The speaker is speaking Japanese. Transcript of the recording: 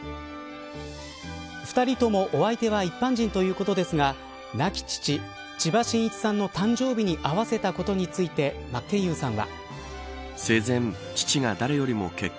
２人ともお相手は一般人ということですが亡き父、千葉真一さんの誕生日に合わせたことについて真剣佑さんは。